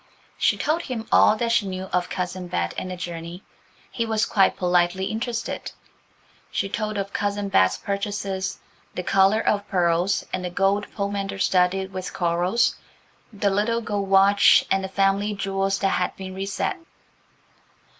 She told him all that she knew of Cousin Bet and the journey. He was quite politely interested. She told of Cousin Bet's purchases–the collar of pearls, and the gold pomander studded with corals, the little gold watch, and the family jewels that had been reset.